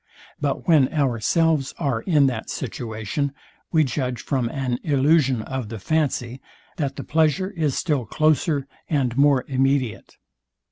But when ourselves are in that situation, we judge from an illusion of the fancy, that the pleasure is still closer and more immediate.